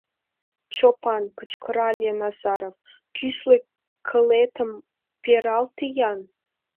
— Чопан, — кычкырале Назаров, — кӱсле кылетым пералте-ян.